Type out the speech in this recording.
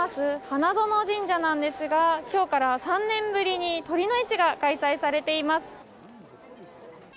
花園神社なんですが今日からは３年ぶりに酉の市が開催されています。